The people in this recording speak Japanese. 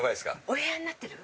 お部屋になってる？